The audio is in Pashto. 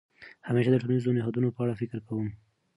همېشه د ټولنیزو نهادونو په اړه فکر کوم.